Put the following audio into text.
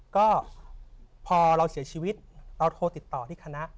ก็พอเราเสียชีวิตเราโทรติดต่อที่คณะ